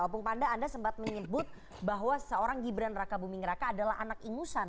opung panda anda sempat menyebut bahwa seorang gibran raka buming raka adalah anak ingusan